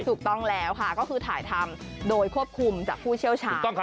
ถูกต้องแล้วค่ะก็คือถ่ายทำโดยควบคุมจากผู้เชี่ยวชาญ